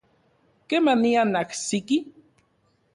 ¿Kemanian ajsiki?